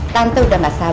tante udah gak sabar